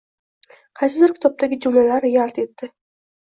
Qaysidir kitobdagi jumlalar yalt etdi.